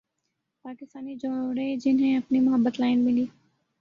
پاکستانی جوڑے جنھیں اپنی محبت لائن ملی